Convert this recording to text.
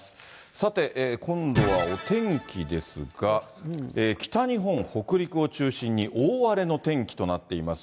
さて、今度はお天気ですが、北日本、北陸を中心に大荒れの天気となっています。